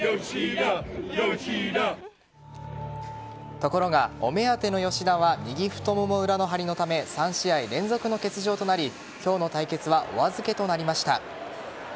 ところが、お目当ての吉田は右太もも裏の張りのため３試合連続の欠場となり今日の対決はお預けとなりました。